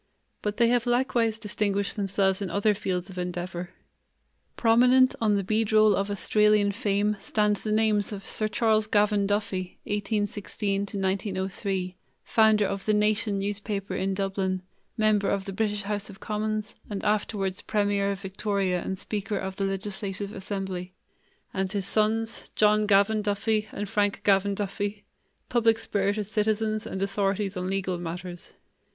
But they have likewise distinguished themselves in other fields of endeavor. Prominent on the beadroll of Australian fame stand the names of Sir Charles Gavan Duffy (1816 1903), founder of the Nation newspaper in Dublin, member of the British house of commons, and afterwards premier of Victoria and speaker of the legislative assembly, and his sons, John Gavan Duffy and Frank Gavan Duffy, public spirited citizens and authorities on legal matters.